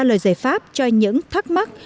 lời giải pháp cho những thắc mắc